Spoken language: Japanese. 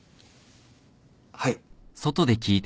はい。